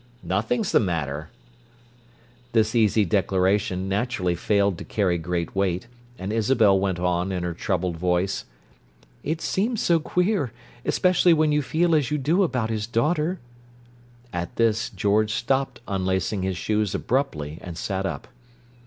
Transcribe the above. "Nothing's the matter." This easy declaration naturally failed to carry great weight, and Isabel went on, in her troubled voice, "It seems so queer, especially when you feel as you do about his daughter." At this, George stopped unlacing his shoes abruptly, and sat up.